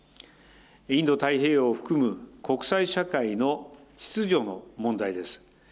インド太平洋を含む国際社会の秩序の問題です。